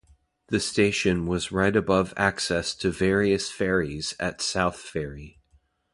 The station was right above access to various ferries at South Ferry.